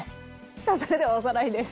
さあそれではおさらいです。